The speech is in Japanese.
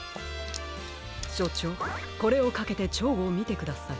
しょちょうこれをかけてチョウをみてください。